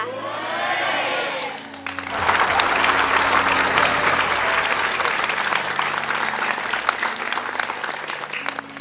โอ้โฮ